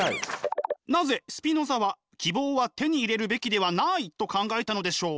なぜスピノザは希望は手に入れるべきではないと考えたのでしょう？